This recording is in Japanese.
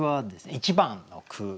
１番の句。